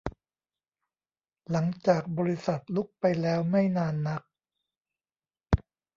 หลังจากบริษัทลุกไปแล้วไม่นานนัก